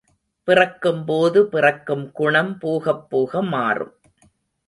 பிறக்கும்போது பிறக்கும் குணம் போகப்போக மாறும்.